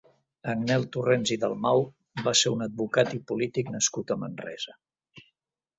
Àngel Torrens i Dalmau va ser un advocat i polític nascut a Manresa.